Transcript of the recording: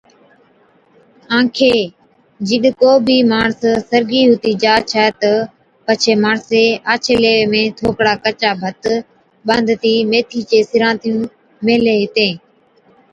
آنکي، جِڏ ڪو بِي ماڻس سرگِي ھُتِي جا ڇَي تہ پڇي ماڻسين آڇي ليوي ۾ ٿوڪڙا ڪچا ڀت ٻانڌتِي ميٿي چي سِرھانٿِيون ميھلي ھِتين